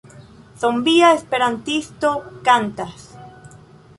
Zombia esperantisto kantas.